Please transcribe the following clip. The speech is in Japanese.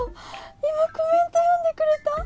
今コメント読んでくれた？